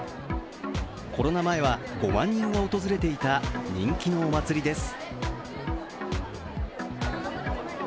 コロナ前は５万人が訪れていた人気のお祭りです。